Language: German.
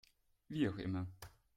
Wie auch immer.